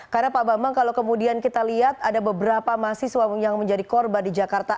karena pak bambang kalau kemudian kita lihat ada beberapa mahasiswa yang menjadi korban di jakarta